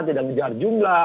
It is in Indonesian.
tidak mengejar jumlah